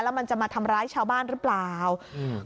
แล้วมันจะมาทำร้ายชาวบ้านหรือเปล่าอืม